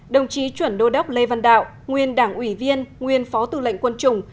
năm đồng chí chuẩn đô đắc lê văn đạo nguyên đảng ủy viên nguyên phó tư lệnh quân chủng